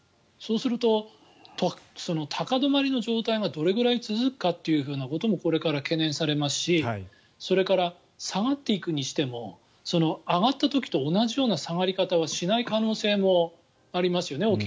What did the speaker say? そうすると、高止まりの状態がどれくらい続くかというふうなこともこれから懸念されますしそれから下がっていくにしても上がった時と同じような下がり方はしない可能性もありますよね。